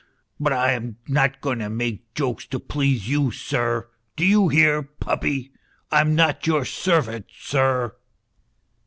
But I am not going to make jokes to please you, sir ; do you hear, puppy ? I am not your servant, sir."